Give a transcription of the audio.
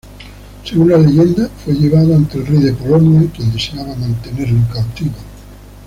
Según la leyenda, fue llevado ante el Rey de Polonia, quien deseaba mantenerlo cautivo.